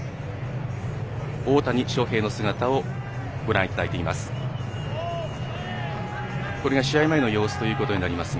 大谷翔平の姿をご覧いただいています。